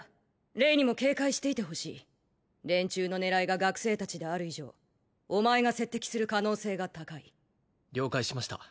レイにも警戒していてほしい連中の狙いが学生達である以上お前が接敵する可能性が高い了解しました